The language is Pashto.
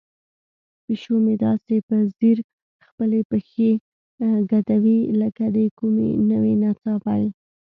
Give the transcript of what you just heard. پیشو مې داسې په ځیر خپلې پښې ږدوي لکه د کومې نوې نڅا پیل.